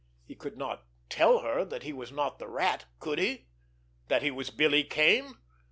He could not tell her that he was not the Rat, could he?—that he was Billy Kane!